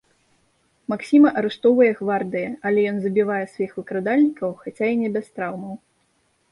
Максіма арыштоўвае гвардыя, але ён забівае сваіх выкрадальнікаў, хаця і не без траўмаў.